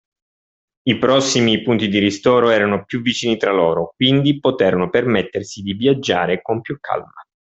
I prossimi punti di ristoro erano più vicini tra loro, quindi poterono permettersi di viaggiare con più calma.